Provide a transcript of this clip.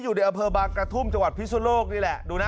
อยู่ในอำเภอบางกระทุ่มจังหวัดพิสุโลกนี่แหละดูนะ